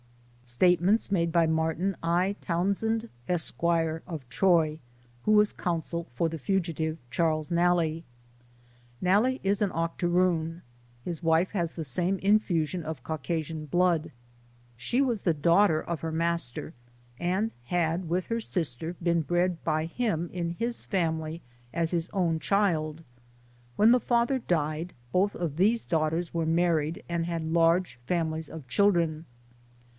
Statements made by Martin I. Townsend, Esq., of Troy, who was counsel for the fugitive, Charles Nalle. Nalle is an octoroon ; his wife has the same in fusion of Caucasian blood. She was the daughter of her master, and had, with her sister, been bred by him in his family, as his own child. When the father died, both of these daughters were married and had large families of children.